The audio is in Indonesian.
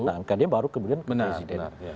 ke mkd baru kemudian ke presiden